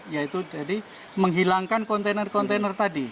yaitu jadi menghilangkan kontainer kontainer tadi